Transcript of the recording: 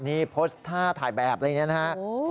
นี่โพสต์ท่าถ่ายแบบอะไรอย่างนี้นะฮะ